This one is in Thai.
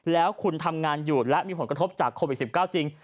แล้วคุณทำงานอยู่และมีผลกระทบจากโควิด๑๙จริง